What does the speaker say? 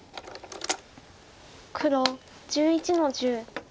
黒１１の十。